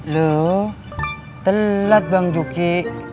lo telat bang juki